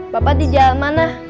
bapak di jalan mana